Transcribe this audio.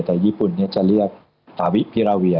แต่ญี่ปุ่นเนี่ยจะเรียกฝาวิพิราเวีย